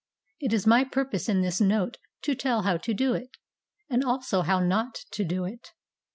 It is my purpose in this note to tell how to do it, and also how not to do it.